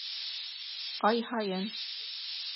Ай һайын